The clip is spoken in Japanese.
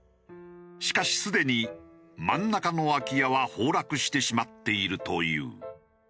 しかしすでに真ん中の空き家は崩落してしまっているという。